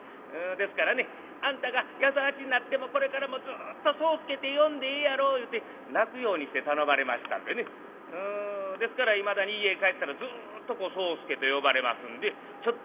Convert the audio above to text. ですからねあんたが八十八になってもこれからもずっと宗助って呼んでええやろ言うて泣くようにして頼まれましたんでねですからいまだに家へ帰ったらずっと宗助と呼ばれますんでちょっとも慣れないんですね。